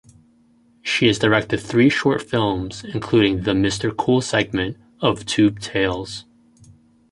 She has directed three short films including the "Mr Cool" segment of "Tube Tales.